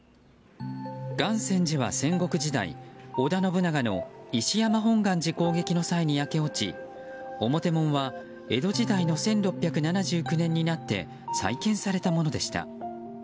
願泉寺は戦国時代、織田信長の石山本願寺攻撃の際に焼け落ち、表門は江戸時代の１６７９年になって再建されたものでした。